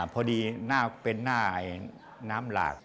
พอดีเป็นหน้าน้ำหลาก